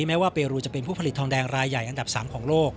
แม้ว่าเปรูจะเป็นผู้ผลิตทองแดงรายใหญ่อันดับ๓ของโลก